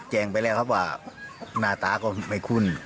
แจ้งไปแล้วครับว่าหน้าตาก็ไม่คุ้น